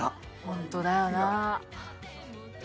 ホントだよな。